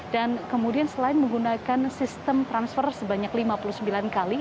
dan kemudian selain menggunakan sistem transfer sebanyak lima puluh sembilan kali